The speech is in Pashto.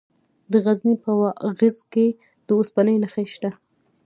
د غزني په واغظ کې د اوسپنې نښې شته.